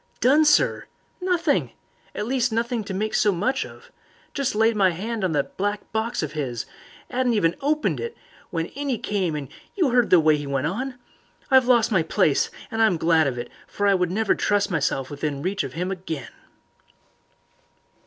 "Done, sir! Nothing. At least nothing to make so much of. Just laid my 'and on that black box of 'is 'adn't even opened it, when in 'e came and you 'eard the way 'e went on. I've lost my place, and glad I am of it, for I would never trust myself within reach of 'im again."